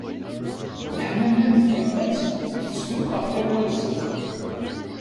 Leḥnana n tyemmat tettdum ɣef tarwa-nsen.